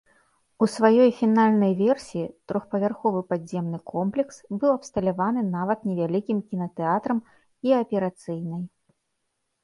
У сваёй фінальнай версіі трохпавярховы падземны комплекс быў абсталяваны нават невялікім кінатэатрам і аперацыйнай.